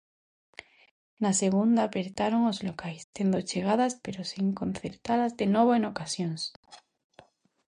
Na segunda apertaron os locais, tendo chegadas pero sen concretalas de novo en ocasións.